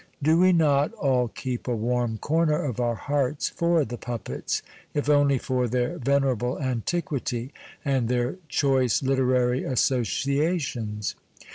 Do we not all keep a warm corner of our hearts for the puppets, if only for their venerable antiquity and their choice literary associations